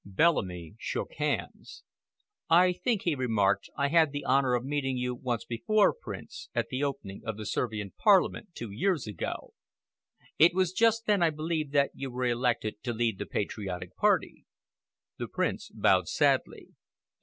Bellamy shook hands. "I think," he remarked, "I had the honor of meeting you once before, Prince, at the opening of the Servian Parliament two years ago. It was just then, I believe, that you were elected to lead the patriotic party." The Prince bowed sadly.